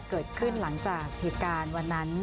เกิดขึ้นหลังจากเหตุการณ์วันนั้น